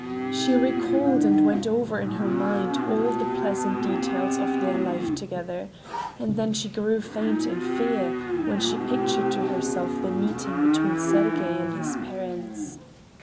She recalled and went over in her mind all the pleasant details of their life together, and then she grew faint with fear when she pictured to herself the meeting between Sergey and his parents.